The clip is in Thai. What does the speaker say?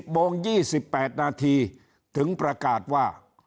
โมง๒๘นาทีถึงประกาศว่า